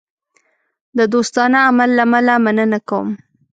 د دوستانه عمل له امله مننه کوم.